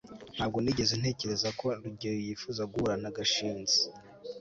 ntabwo nigeze ntekereza ko rugeyo yifuza guhura na gashinzi